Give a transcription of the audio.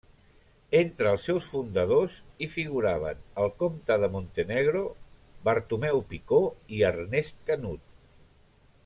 Entre els seus fundadors, hi figuraven el comte de Montenegro, Bartomeu Picó i Ernest Canut.